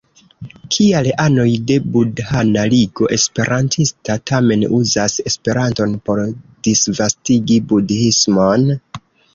Kial anoj de Budhana Ligo Esperantista tamen uzas Esperanton por disvastigi budhismon?